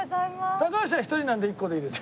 高橋は１人なんで１個でいいです。